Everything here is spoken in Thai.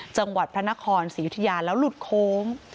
จังหวัดพระนครศรียุธยาแล้วหลุดโค้ง